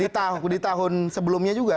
ya kan di tahun sebelumnya juga